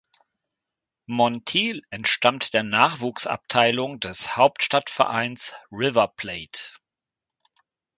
Montiel entstammt der Nachwuchsabteilung des Hauptstadtvereins River Plate.